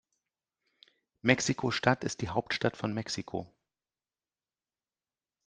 Mexiko-Stadt ist die Hauptstadt von Mexiko.